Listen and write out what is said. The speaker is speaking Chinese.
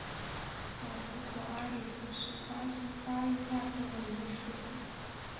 索图索阿里斯是巴西巴伊亚州的一个市镇。